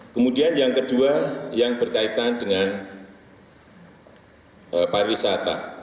kemudian yang kedua yang berkaitan dengan pariwisata